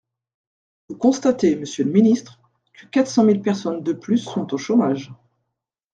Vous constatez, monsieur le ministre, que quatre cent mille personnes de plus sont au chômage.